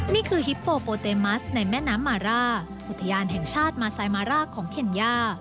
นี่คือฮิปโปเตมัสในแม่น้ำมาร่าผู้ทะญานแห่งชาติมาไซมาร่าของเข็ญยา